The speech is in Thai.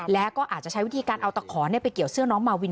แล้วก็อาจจะใช้วิธีการเอาตะขอนไปเกี่ยวเสื้อน้องมาวิน